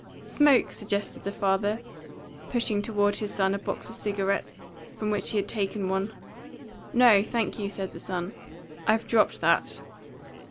"Smoke?" suggested the father, pushing toward his son a box of cigarettes, from which he had taken one. "No, thank you," said the son. "I've dropped that."